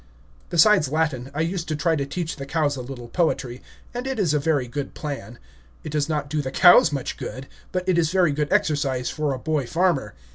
Besides Latin, I used to try to teach the cows a little poetry, and it is a very good plan. It does not do the cows much good, but it is very good exercise for a boy farmer.